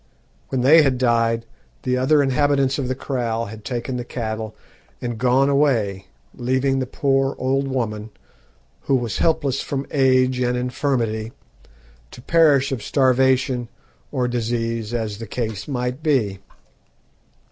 When they had died the other inhabitants of the kraal had taken the cattle and gone away, leaving the poor old woman, who was helpless from age and infirmity, to perish of starvation or disease, as the case might be.